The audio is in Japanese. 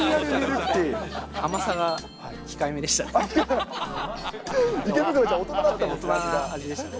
甘さが控えめでしたね。